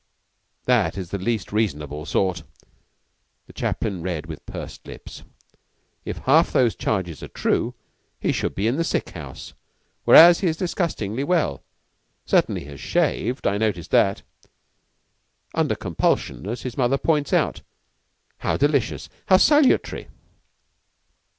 That is the least reasonable sort." The chaplain read with pursed lips. "If half those charges are true he should be in the sick house; whereas he is disgustingly well. Certainly he has shaved. I noticed that." "Under compulsion, as his mother points out. How delicious! How salutary!"